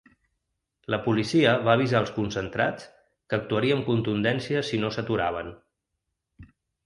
La policia va avisar els concentrats que actuaria amb contundència si no s’aturaven.